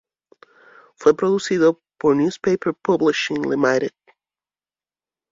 Fue producido por Newspaper Publishing Ltd.